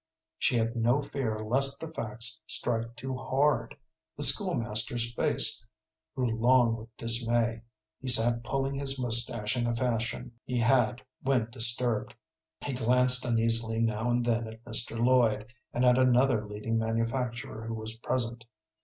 She had no fear lest the facts strike too hard. The school master's face grew long with dismay; he sat pulling his mustache in a fashion he had when disturbed. He glanced uneasily now and then at Mr. Lloyd, and at another leading manufacturer who was present.